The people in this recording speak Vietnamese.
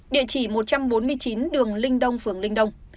địa chỉ một trăm bốn mươi chín đường linh đông phường linh đông